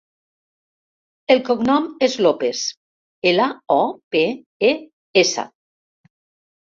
El cognom és Lopes: ela, o, pe, e, essa.